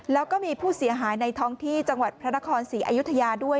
แล้วก็มีผู้เสียหายในท้องที่จังหวัดพระนครศรีอยุธยาด้วย